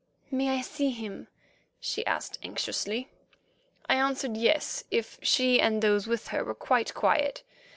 "May I see him?" she asked anxiously. I answered yes, if she and those with her were quite quiet.